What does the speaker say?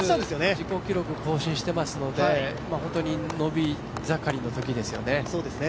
自己記録更新していますので伸び盛りのときですよね。